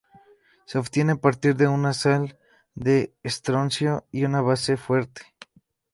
Se obtiene a partir de una sal de estroncio y una base fuerte.